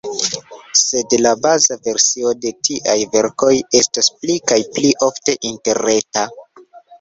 Sed la baza versio de tiaj verkoj estos pli kaj pli ofte interreta.